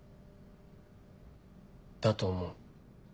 だと思う。